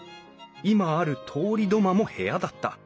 今ある通り土間も部屋だった。